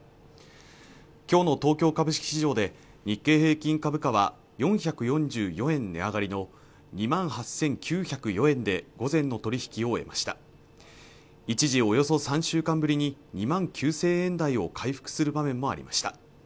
きょうの東京株式市場で日経平均株価は４４４円値上がりの２万８９０４円で午前の取引を終えました一時およそ３週間ぶりに２万９０００円台を回復する場面もありました